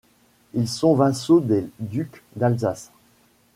Ils sont vassaux des ducs d'Alsace.